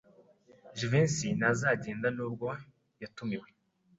Jivency ntazagenda nubwo yatumiwe.